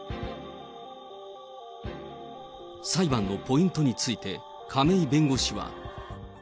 裁判のポイントについて、亀井弁護士は。